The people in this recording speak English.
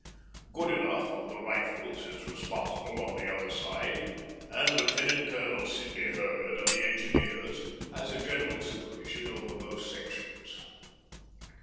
Goodenough, of the Rifles, is responsible on the other side, and Lieutenant Colonel Sidney Herbert of the Engineers, has a general supervision over both sections.